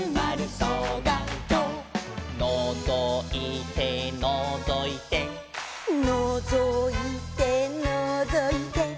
「のぞいてのぞいて」「のぞいてのぞいて」